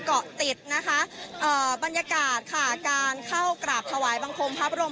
เกาะติดนะคะบรรยากาศค่ะการเข้ากราบถวายบังคมพระบรม